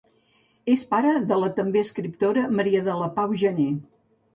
És pare de la també escriptora Maria de la Pau Janer.